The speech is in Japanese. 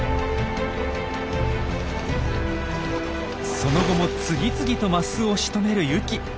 その後も次々とマスをしとめるユキ。